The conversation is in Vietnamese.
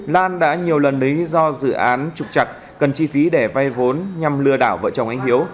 lan đã nhiều lần lấy do dự án trục chặt cần chi phí để vay vốn nhằm lừa đảo vợ chồng anh hiếu